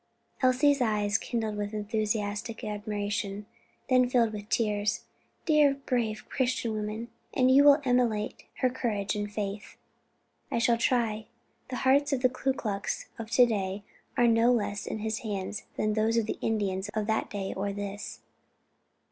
Elsie's eyes kindled with enthusiastic admiration, then filled with tears. "Dear, brave Christian woman! and you will emulate her courage and faith." "I shall try; the hearts of the Ku Klux of to day are no less in His hands than those of the Indians of that day or this."